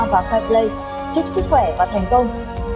và quay play chúc sức khỏe và thành công